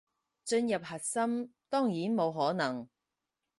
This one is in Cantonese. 進入核心，當然冇可能